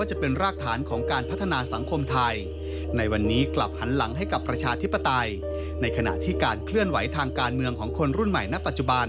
จะเห็นการต่อสู้ของคนรุ่นใหม่นะปัจจุบัน